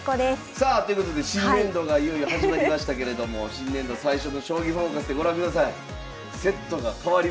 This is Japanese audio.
さあということで新年度がいよいよ始まりましたけれども新年度最初の「将棋フォーカス」でご覧ください。